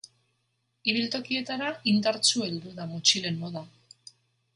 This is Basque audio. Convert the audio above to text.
Ibiltokietara indartsu heldu da motxilen moda.